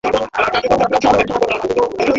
এই শহরের বাসিন্দাদের প্রধান ভাষা হল তেলুগু।